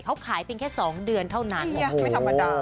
เขาขายเพียงแค่๒เดือนเท่านั้นไม่ธรรมดา